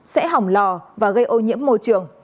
sẽ hỏng lò và gây ô nhiễm môi trường